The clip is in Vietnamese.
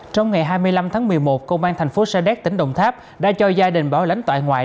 trong ngày hai mươi năm tháng một mươi một công an tp sa đéc tỉnh đồng tháp đã cho gia đình bảo lãnh tội ngoại